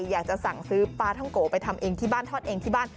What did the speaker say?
อยากจะสั่งซื้อปลาท่องโกะไปทำเองที่บ้านทอดเองที่บ้าน